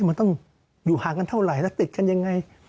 มันต้องอยู่ห่างกันเท่าไหร่แล้วติดกันยังไง